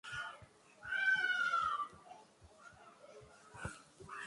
দক্ষিণ কোরিয়ার কাছে হেরে বিদায় নিতে হয়েছে অলিম্পিক ফুটবলের বর্তমান চ্যাম্পিয়ন মেক্সিকোকেও।